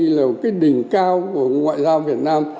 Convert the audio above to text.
đỉnh cao của đàm phán paris là một đỉnh cao của ngoại giao việt nam